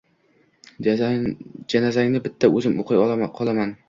Janazangni bitta o‘zim o‘qiy qolaman…